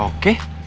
suka juga sih